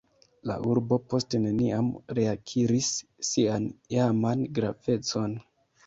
La urbo poste neniam reakiris sian iaman gravecon.